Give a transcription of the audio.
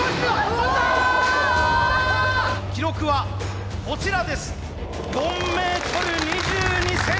記録はこちらです。